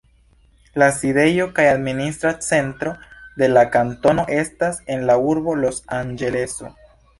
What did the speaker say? La sidejo kaj administra centro de la kantono estas en la urbo Los-Anĝeleso.